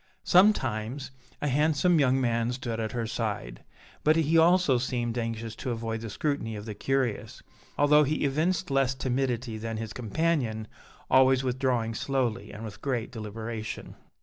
Sometimes, a handsome young man stood at her side, but he also seemed anxious to avoid the scrutiny of the curious, although he evinced less timidity than his companion, always withdrawing slowly and with great deliberation.